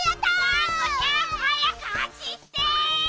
がんこちゃんはやくはしって！